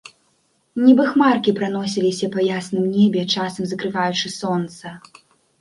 Нібы хмаркі праносіліся па ясным небе, часам закрываючы сонца.